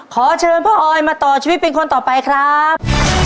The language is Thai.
ขอเชิญพ่อออยมาต่อชีวิตเป็นคนต่อไปครับ